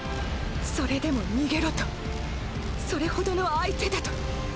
それでも逃げろとそれほどの相手だと。